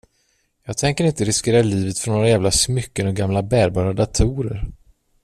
Jag tänker inte riskera livet för några jävla smycken och gamla bärbara datorer.